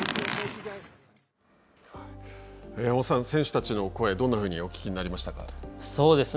選手たちの声どんなふうにお聞きになりましたか。